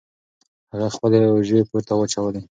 هغه خپلې اوژې پورته واچولې.